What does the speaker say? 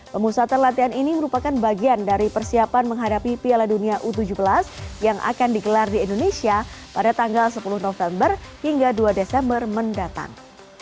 pemusatan latihan ini merupakan bagian dari persiapan menghadapi piala dunia u tujuh belas yang akan digelar di indonesia pada tanggal sepuluh november hingga dua desember mendatang